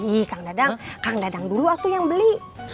ih kang dadang kang dadang dulu aku yang beli